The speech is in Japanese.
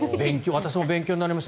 私も勉強になりました。